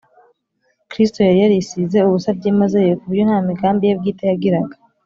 Kristo yari yarisize ubusa byimazeyo kuburyo nta migambi Ye bwite yagiraga.